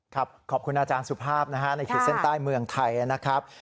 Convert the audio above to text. ขอบคุณอาจารย์สุภาพนะฮะในขีดเส้นใต้เมืองไทยนะครับ